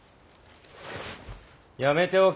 やめておけ。